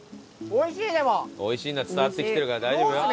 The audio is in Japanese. おいしいのは伝わってきてるから大丈夫よ。